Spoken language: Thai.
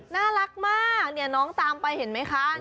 น่ารักมากเนี่ยน้องตามไปเห็นไหมคะ